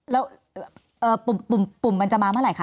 แล้วปุ่มมันจะมาเมื่อไหร่คะ